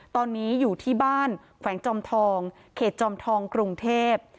ตอนนี้อยู่ที่บ้านแขวงจอมทองเขตจอมทองกรุงเทพ